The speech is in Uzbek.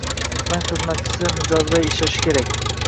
Bank xizmatchisi mijozbay ishlashi kerak